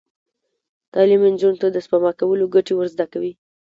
تعلیم نجونو ته د سپما کولو ګټې ور زده کوي.